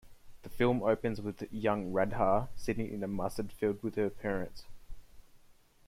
The film opens with young Radha sitting in a mustard field with her parents.